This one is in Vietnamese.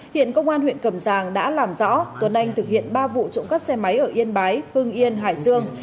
hiện công an huyện cầm giang đã làm rõ tuấn anh thực hiện ba vụ trộm cắp xe máy ở yên bái hưng yên hải dương